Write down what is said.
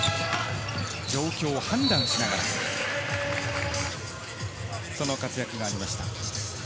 状況判断しながら、その活躍がありました。